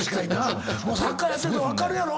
サッカーやってると分かるやろ？